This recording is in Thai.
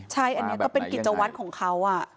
ใช่อันนี้ก็เป็นกิจวัตรของเขา